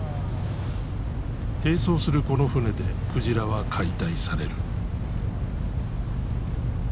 併走するこの船で鯨は解体される。